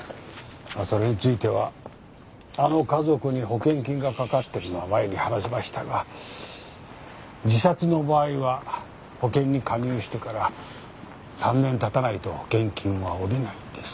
それについてはあの家族に保険金が掛かってるのは前に話しましたが自殺の場合は保険に加入してから３年たたないと保険金は下りないんです。